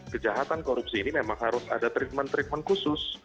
kejahatan korupsi ini memang harus ada treatment treatment khusus